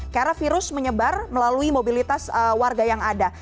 karena virus menyebar melalui mobilitas warga yang ada